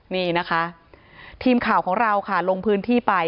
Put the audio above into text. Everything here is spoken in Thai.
นี่นะคะทีมข่าวของเราค่ะลงพื้นที่ไป